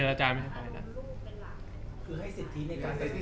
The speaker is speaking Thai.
จากความไม่เข้าจันทร์ของผู้ใหญ่ของพ่อกับแม่